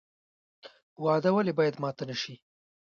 وعده ولې باید ماته نشي؟